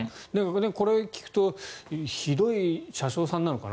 これ、聞くと車掌さんなのかな？